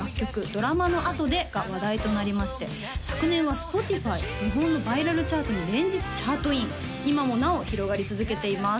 「ドラマのあとで」が話題となりまして昨年はＳｐｏｔｉｆｙ日本のバイラルチャートに連日チャートイン今もなお広がり続けています